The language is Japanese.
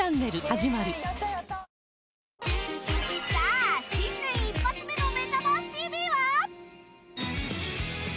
さあ、新年一発目の「メタバースＴＶ！！」